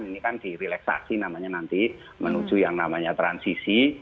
ini kan direlaksasi namanya nanti menuju yang namanya transisi